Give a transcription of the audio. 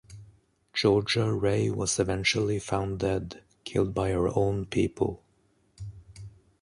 Georgia Rae was eventually found dead, killed by her own people.